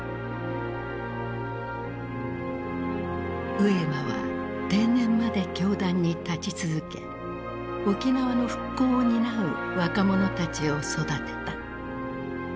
上間は定年まで教壇に立ち続け沖縄の復興を担う若者たちを育てた。